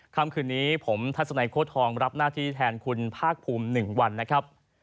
คำคืนนี้ผมทัศนัยโค้ทองรับหน้าที่แทนคุณภาคภูมิ๑วันนะครับ